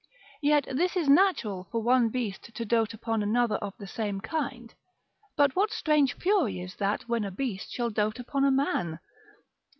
Yet this is natural for one beast to dote upon another of the same kind; but what strange fury is that, when a beast shall dote upon a man?